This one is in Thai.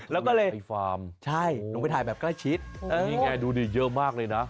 แล้วก็เลยไปฟาร์มใช่ลงไปถ่ายแบบใกล้ชิดนี่ไงดูดิเยอะมากเลยนะ